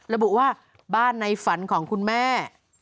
ระบุว่าบ้านในฝันของคุณแม่